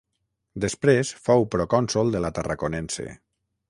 Després fou procònsol de la Tarraconense.